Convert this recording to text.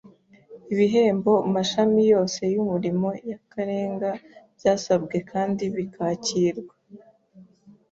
Ibihembo mashami yose y’umurimo y’akarenga byasabwe kandi bikakirwa